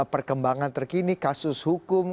perkembangan terkini kasus hukum